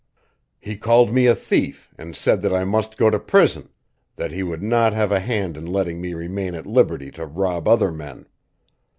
He called me a thief, and said that I must go to prison, that he would not have a hand in letting me remain at liberty to rob other men.